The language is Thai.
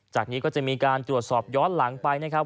จากนี้ก็จะมีการตรวจสอบย้อนหลังไปนะครับ